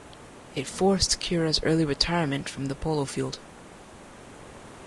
It forced Cura's early retirement from the polo field.